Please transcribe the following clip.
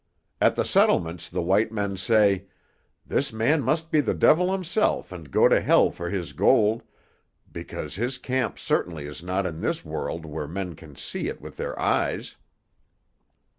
At the settlements the white men say, 'This man must be the devil himself and go to hell for his gold, because his camp certainly is not in this world where men can see it with their eyes.